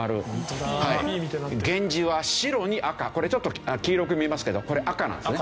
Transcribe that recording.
源氏は白に赤これちょっと黄色く見えますけどこれ赤なんですね。